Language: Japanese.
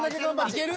いける？